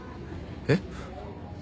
えっ？